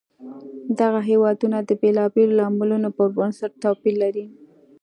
دغه هېوادونه د بېلابېلو لاملونو پر بنسټ توپیر لري.